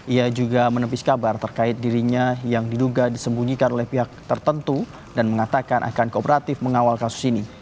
ia juga menepis kabar terkait dirinya yang diduga disembunyikan oleh pihak tertentu dan mengatakan akan kooperatif mengawal kasus ini